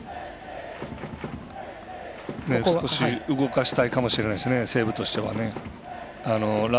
動かしたいかもしれないですね、西武としては。